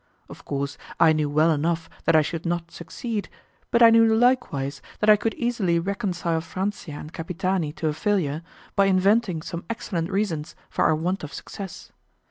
Of course, I knew well enough that I should not succeed, but I knew likewise that I could easily reconcile Franzia and Capitani to a failure, by inventing some excellent reasons for our want of success.